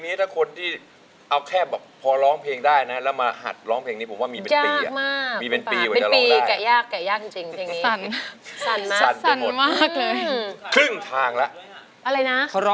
อยู่ที่ไหนอ่ะอยู่ที่วัดยังไม่มาเหรอ